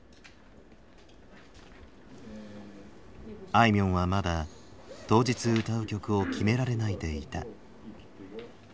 あいみょんはまだ当日歌う曲を決められないでいた。